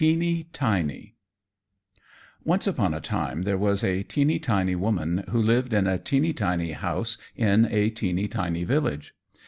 "] Once upon a time there was a teeny tiny woman, who lived in a teeny tiny house in a teeny tiny village.